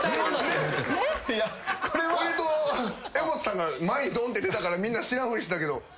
俺と柄本さんが前にどんって出たからみんな知らんふりしてたけど。